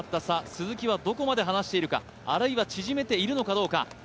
鈴木はどこまで離しているか、あるいは縮めているのかどうか。